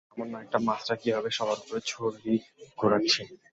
সামান্য একটা মাস্টার কীভাবে সবার ওপর ছড়ি ঘোরাচ্ছে?